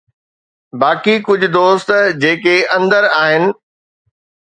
باقي ڪجهه دوست جيڪي اندر آهن